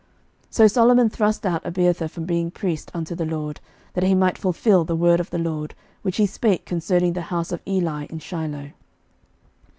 11:002:027 So Solomon thrust out Abiathar from being priest unto the LORD; that he might fulfil the word of the LORD, which he spake concerning the house of Eli in Shiloh.